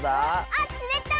あっつれた！